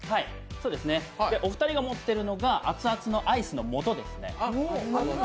お二人が持っているのが熱々のアイスのもとですね。